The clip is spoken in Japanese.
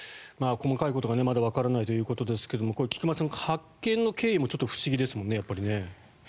細かいことがまだわからないということですが菊間さん発見の経緯も不思議ですもんね。